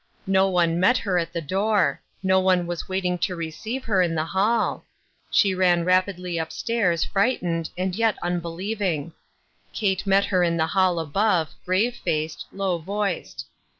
No one met her at the door ; no one was waiting to receive her in the hall ; she ran rapidly "o, mamma! good by !" 277 up stairs, frightened, and yet unbelieving. Kate met her in the hall above, grave faced, low voiced.